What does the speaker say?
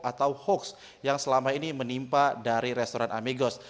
atau hoax yang selama ini menimpa dari restoran amigos